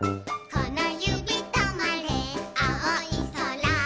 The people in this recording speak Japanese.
「このゆびとまれあおいそら」